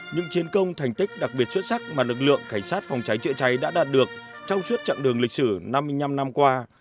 những chiến công thành tích đặc biệt xuất sắc mà lực lượng cảnh sát phòng cháy chữa cháy đã đạt được trong suốt chặng đường lịch sử năm mươi năm năm qua